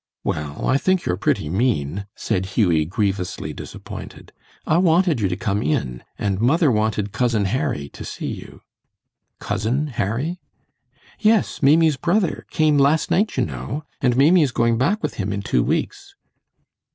"Well, I think you are pretty mean," said Hughie, grievously disappointed. "I wanted you to come in, and mother wanted Cousin Harry to see you." "Cousin Harry?" "Yes; Maimie's brother came last night, you know, and Maimie is going back with him in two weeks."